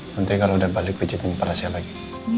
nanti kalau udah balik pijitin kepala siapa lagi